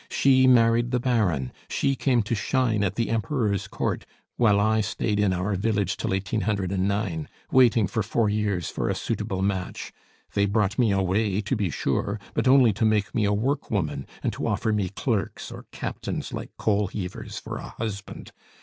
She married the Baron, she came to shine at the Emperor's Court, while I stayed in our village till 1809, waiting for four years for a suitable match; they brought me away, to be sure, but only to make me a work woman, and to offer me clerks or captains like coalheavers for a husband!